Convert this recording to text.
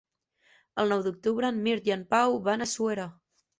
El nou d'octubre en Mirt i en Pau van a Suera.